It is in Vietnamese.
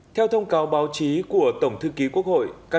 theo thông cáo báo chí của tổng thư ký quốc hội